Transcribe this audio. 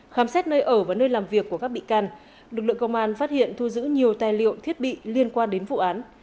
khám xét nơi ở và nơi làm việc của các bị can lực lượng công an phát hiện thu giữ nhiều tài liệu thiết bị liên quan đến vụ án